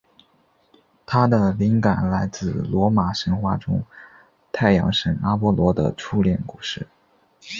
它的灵感来自罗马神话中太阳神阿波罗的初恋故事。